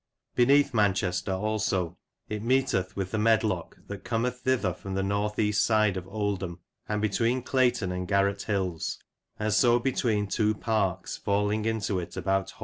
Beneath Manchester also it meeteth with the Medlocke, that cometh thither from the N.E. side of Oldham, and between Clayton and Garret Halls, and so between two parks falling into it about Holm.